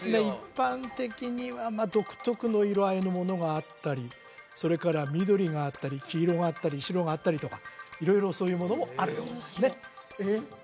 一般的には独特の色合いのものがあったりそれから緑があったり黄色があったり白があったりとか色々そういうものもあるとえっ？